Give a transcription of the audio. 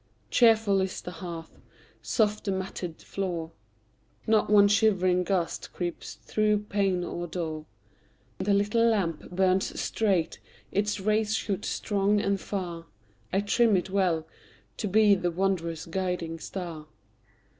Cheerful is the hearth, soft the matted floor; Not one shivering gust creeps through pane or door; The little lamp burns straight, its rays shoot strong and far: I trim it well, to be the wanderer's guiding star.